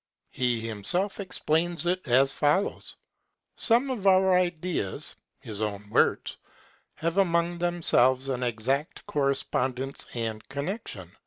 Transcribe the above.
He himself explains it as follows : Some of our ideas [his own words] have among themselves an exact correspondence and connection.